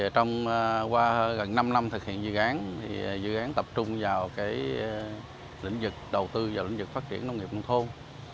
trong qua gần năm năm thực hiện dự án dự án tập trung vào lĩnh vực đầu tư vào lĩnh vực phát triển nông nghiệp nông thôn